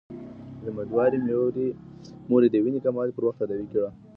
اميدوارې مورې، د وينې کموالی پر وخت تداوي کړه